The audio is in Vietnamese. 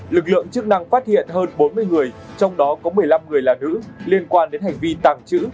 lực lượng chức năng phát hiện hơn bốn mươi người trong đó có một mươi năm người là nữ liên quan đến hành vi tàng trữ